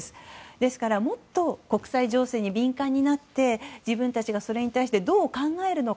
ですから、もっと国際情勢に敏感になって自分たちがそれに対してどう考えるのか。